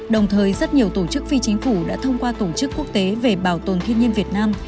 đồng thời rất nhiều tổ chức phi chính phủ đã thông qua tổ chức quốc tế về bảo tồn thiên nhiên việt nam